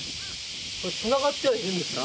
これつながってはいるんですか？